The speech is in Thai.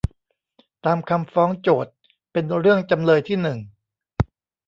ตามคำฟ้องโจทก์เป็นเรื่องจำเลยที่หนึ่ง